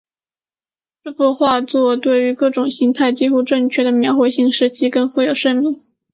这幅画作对于各种形态的几乎正确描绘性使其负有盛名。